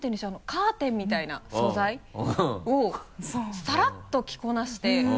カーテンみたいな素材をさらっと着こなして。